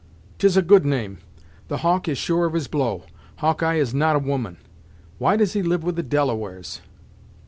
"'Tis a good name! The hawk is sure of his blow. Hawkeye is not a woman; why does he live with the Delawares?"